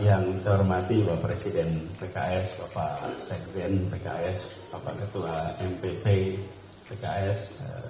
yang saya hormati bapak presiden pks bapak sekjen pks bapak ketua mpp pks